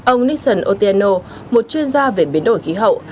ông nixon otieno một chuyên gia về biến đổi khí hậu